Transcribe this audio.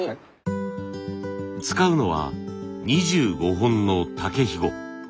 使うのは２５本の竹ひご。